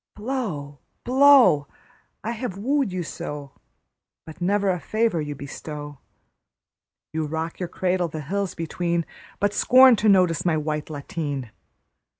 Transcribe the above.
Blow, blow! I have wooed you so, But never a favour you bestow. You rock your cradle the hills between, But scorn to notice my white lateen.